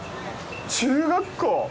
中学校？